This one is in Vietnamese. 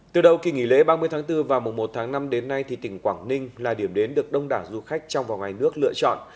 từ đầu kỳ nghỉ lễ ba mươi tháng bốn và mùa một tháng năm đến nay thì tỉnh quảng ninh là điểm đến được đông đảo du khách trong và ngoài nước lựa chọn